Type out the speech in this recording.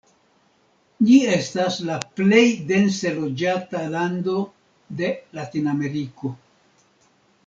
Ĝi estas la plej dense loĝata lando de Latinameriko.